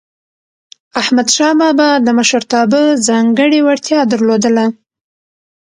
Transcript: احمدشاه بابا د مشرتابه ځانګړی وړتیا درلودله.